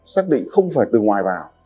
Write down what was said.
xác định không phải từ ngoài vào